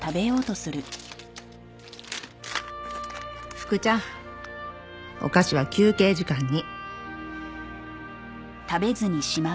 「ふくちゃん」「お菓子は休憩時間に！」